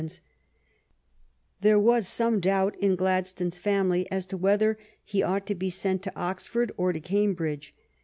l^odon SurtoKopic ' There was some doubt in Gladstone's family as to whether he ought to be sent to Oxford or to Cambridge.